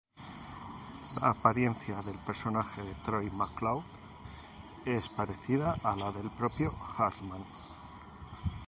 La apariencia del personaje de Troy McClure es parecida a la del propio Hartman.